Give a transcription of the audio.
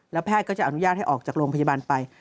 แพทย์ก็จะอนุญาตให้ออกจากโรงพยาบาลไป